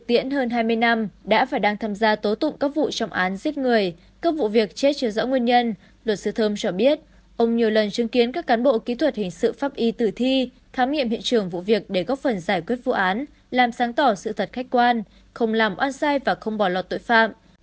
tiễn hơn hai mươi năm đã và đang tham gia tố tụng các vụ trọng án giết người các vụ việc chết chưa rõ nguyên nhân luật sư thơm cho biết ông nhiều lần chứng kiến các cán bộ kỹ thuật hình sự pháp y tử thi khám nghiệm hiện trường vụ việc để góp phần giải quyết vụ án làm sáng tỏ sự thật khách quan không làm oan sai và không bỏ lọt tội phạm